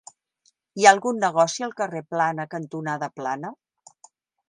Hi ha algun negoci al carrer Plana cantonada Plana?